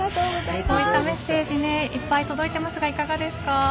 こういったメッセージいっぱい届いていますがいかがですか？